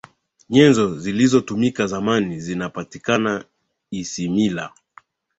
nyenzo zilizotumika zamani zinapatikana isimila